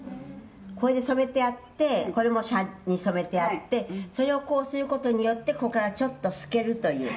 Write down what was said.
「これで染めてあってこれも紗に染めてあってそれをこうする事によってここからちょっと透けるという。